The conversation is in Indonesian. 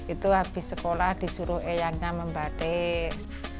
itu habis sekolah disuruh eyangnya membatik